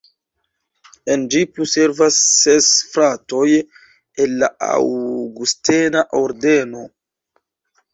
En ĝi plu servas ses fratoj el la aŭgustena ordeno.